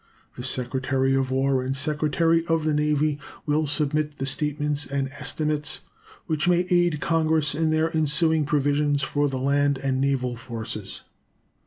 The Secretary of War and Secretary of the Navy will submit the statements and estimates which may aid Congress in their ensuing provisions for the land and naval forces.